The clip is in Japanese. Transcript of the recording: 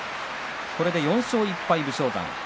これで４勝１敗、武将山です。